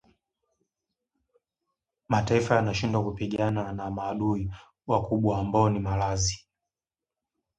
Mataifa yanashindwa kupigana na maadui wakubwa ambao ni maradhi